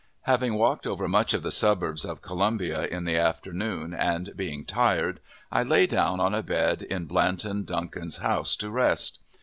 Having walked over much of the suburbs of Columbia in the afternoon, and being tired, I lay down on a bed in Blanton Duncan's house to rest.